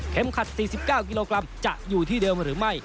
ขัด๔๙กิโลกรัมจะอยู่ที่เดิมหรือไม่